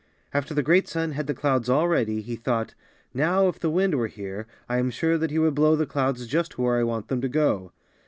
After the great sun had the clouds all ready, he thought, '^Now if the wind were here I am sure that he would blow the clouds just where I want them to go."